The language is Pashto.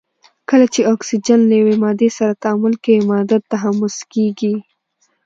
کله چې اکسیجن له یوې مادې سره تعامل کوي ماده تحمض کیږي.